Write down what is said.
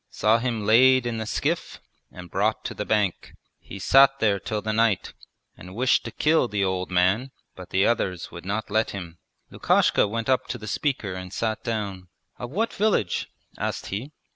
Saw him laid in the skiff and brought to the bank. He sat there till the night and wished to kill the old man, but the others would not let him.' Lukashka went up to the speaker, and sat down. 'Of what village?' asked he.